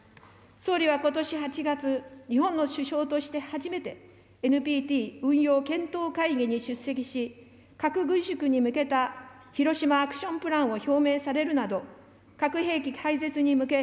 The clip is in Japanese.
総理はことし８月、日本の首相として初めて、ＮＰＴ運用検討会議に出席し、核軍縮に向けたヒロシマ・アクション・プランを表明されるなど、核兵器廃絶に向け、